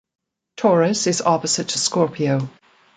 Taurus is opposite to Scorpio.